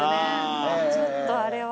ちょっとあれは。